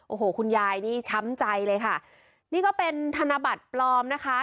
โอ้โหคุณยายนี่ช้ำใจเลยค่ะนี่ก็เป็นธนบัตรปลอมนะคะ